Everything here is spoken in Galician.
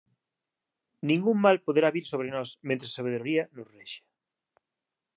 Ningún mal poderá vir sobre nós mentres a Sabedoría nos rexa.